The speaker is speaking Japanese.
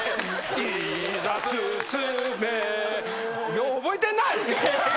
よう覚えてんな！